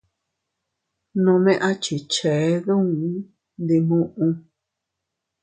Nome a chichee duun ndi muʼu.